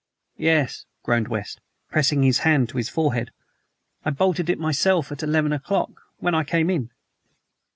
"Yes," groaned West, pressing his hand to his forehead. "I bolted it myself at eleven o'clock, when I came in."